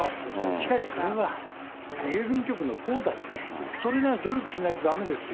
しかし、それは、郵便局のほうだって、それなりの努力しないとだめですよ。